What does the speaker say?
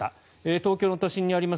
東京の都心にあります